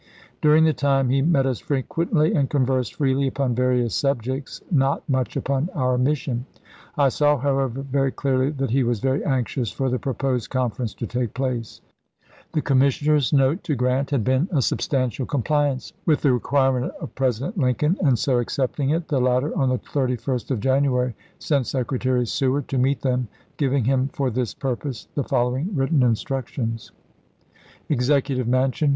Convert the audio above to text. During the time, he met us frequently and conversed freely upon various subjects, not much upon our s^waern8' mission. I saw, however, very clearly that he was theestK." very anxious for the proposed conference to take Vol. II., t „ P. 597. place." The commissioners' note to Grant had been a substantial compliance with the requirement of President Lincoln ; and so accepting it, the latter, on the 31st of January, sent Secretary Seward to meet them, giving him for this purpose the following written instructions. THE HAMPTON ROADS CONFERENCE 115 Executive Mansion, chap.